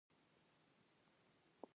پلان نه تطبیق پکار دی